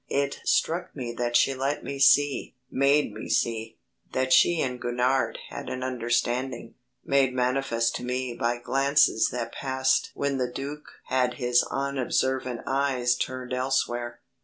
It struck me that she let me see, made me see, that she and Gurnard had an understanding, made manifest to me by glances that passed when the Duc had his unobservant eyes turned elsewhere.